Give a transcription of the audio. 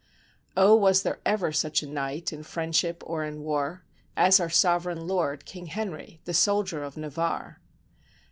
Oh ! was there ever such a knight, in friendship or in war, As our sovereign lord, King Henry, the soldier of Na varre